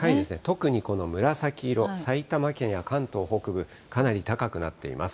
特にこの紫色、埼玉県や関東北部、かなり高くなっています。